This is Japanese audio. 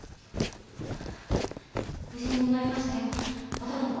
無事に生まれましたよ男の子。